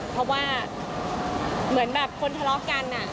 เพราะว่าเหมือนแบบคนทะเลาะกัน